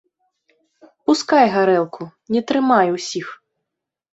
Пускай гарэлку, не трымай усіх.